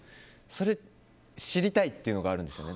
それ知りたいっていうのがあるんですよね。